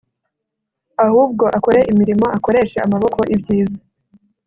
ahubwo akore imirimo akoreshe amaboko ibyiza